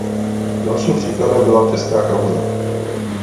Dalším příkladem byla česká kauza.